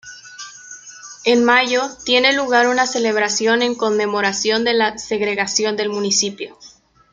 En mayo tiene lugar una celebración en conmemoración de la segregación del municipio.